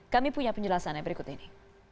kami punya penjelasannya berikut ini